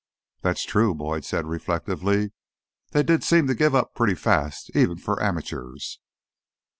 "That's true," Boyd said reflectively. "They did seem to give up pretty fast, even for amateurs."